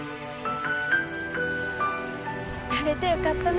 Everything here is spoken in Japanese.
晴れてよかったね。